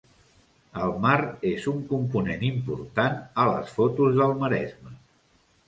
El mar és un component important a les fotos del Maresme.